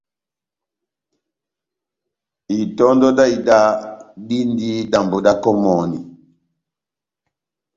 Itɔndɔ dá ida dindi dambi da kɔmɔni